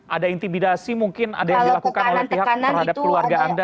ada intimidasi mungkin ada yang dilakukan oleh pihak terhadap keluarga anda